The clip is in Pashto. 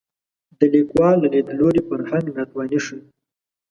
د لیکوال له لید لوري فرهنګ ناتواني ښيي